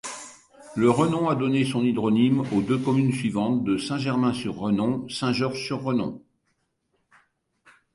Le Renon a donné son hydronyme aux deux communes suivantes de Saint-Germain-sur-Renon, Saint-Georges-sur-Renon.